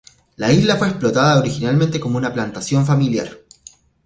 La isla fue explotada originalmente como una plantación familiar.